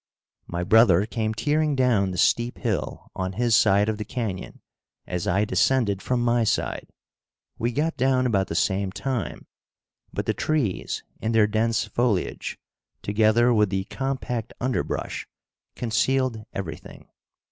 My brother came tearing down the steep hill on his side of the canyon as I descended from my side. We got down about the same time, but the trees in their dense foliage, together with the compact underbrush, concealed everything.